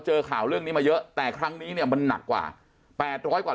เจอข่าวเรื่องนี้มาเยอะแต่ครั้งนี้เนี่ยมันหนักกว่า๘๐๐กว่า